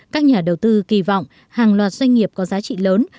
các nhà đầu tư kỳ vọng hàng loạt doanh nghiệp có giá trị lớn